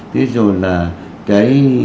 thế rồi là cái